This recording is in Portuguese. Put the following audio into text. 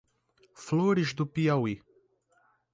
Flores do Piauí